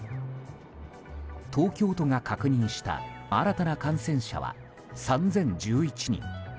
東京都が確認した新たな感染者は３０１１人。